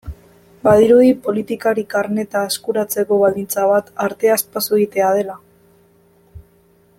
Badirudi politikari karneta eskuratzeko baldintza bat arteaz paso egitea dela?